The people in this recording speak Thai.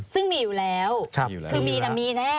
ซึ่งมีอยู่แล้วคือมีแน่